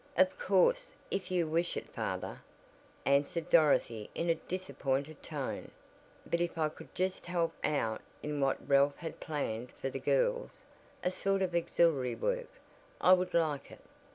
"Of course, if you wish it father," answered Dorothy in a disappointed tone, "but if I could just help out in what Ralph had planned for the girls a sort of auxiliary work I would like it.